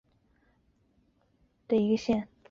克利尔克里克县是美国科罗拉多州中北部的一个县。